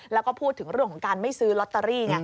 แล้วก็พูดถึงเรื่องของการไม่ซื้อลอตเตอรี่